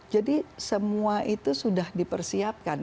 jadi semua itu sudah dipersiapkan